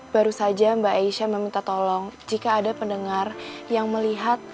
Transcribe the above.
baru saja mbak aisyah meminta tolong jika ada pendengar yang melihat